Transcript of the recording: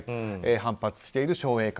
反発している商栄会。